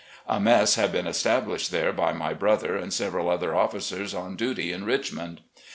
A mess had been established there by my brother and several other officers on duty in Richmond.